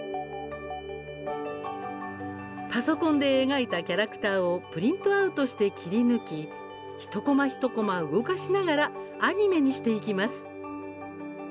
パソコンで描いたキャラクターをプリントアウトして切り抜き一コマ一コマ動かしながらアニメにしていきます。